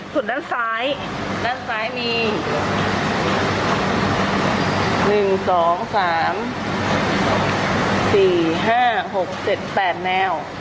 สุดด้านซ้ายด้านซ้ายหนึ่งสองทางสี่ห้าหกเจ็ดแปดแนว